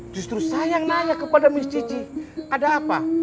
justru saya yang nanya kepada mis cici ada apa